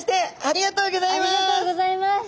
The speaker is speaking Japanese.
ありがとうございます。